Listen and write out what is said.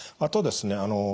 あとですね